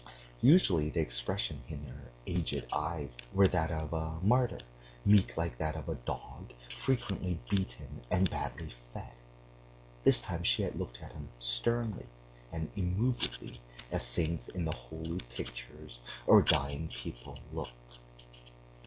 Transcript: Usually, the expression in her aged eyes was that of a martyr, meek like that of a dog frequently beaten and badly fed; this time she had looked at him sternly and immovably, as saints in the holy pictures or dying people look.